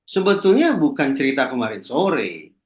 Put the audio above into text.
sebetulnya bukan cerita kemarin sore